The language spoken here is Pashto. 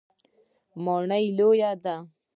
ماڼۍ لویه ده.